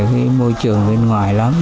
cái môi trường bên ngoài lắm